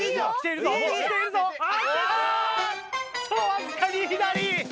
わずかに左！